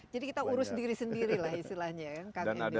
jadi kita urus diri sendiri lah istilahnya